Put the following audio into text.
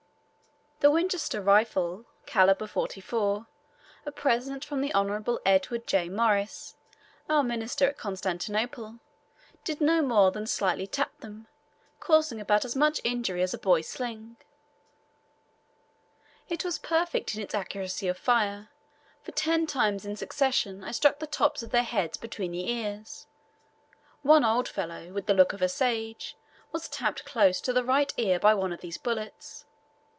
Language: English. The Winchester rifle (calibre 44), a present from the Hon. Edward Joy Morris our minister at Constantinople did no more than slightly tap them, causing about as much injury as a boy's sling; it was perfect in its accuracy of fire, for ten times in succession I struck the tops of their heads between the ears. One old fellow, with the look of a sage, was tapped close to the right ear by one of these bullets.